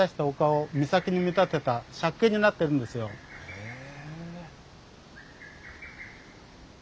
へえ。